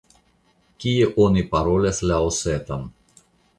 Kie oni parolas la osetan?